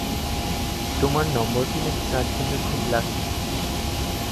তেরো নম্বরটি নাকি তাঁর জন্যে খুব লাকি।